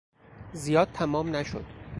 زیاد تمام نشد.